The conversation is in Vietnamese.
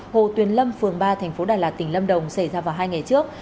hồ tuyền lâm phường ba tp đà lạt tỉnh lâm đồng xảy ra vào hai ngày trước